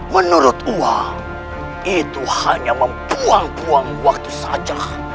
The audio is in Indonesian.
menurut uang itu hanya membuang buang waktu saja